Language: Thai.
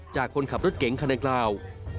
จากคนขับรถเก๋งคันดังกล่าว